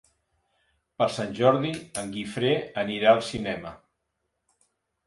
Per Sant Jordi en Guifré anirà al cinema.